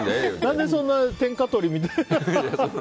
何でそんな天下人みたいな。